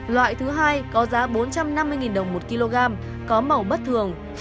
loại thứ hai có giá bốn trăm năm mươi đồng một kg có màu bất thường